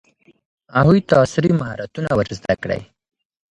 هغوی ته عصري مهارتونه ور زده کړئ.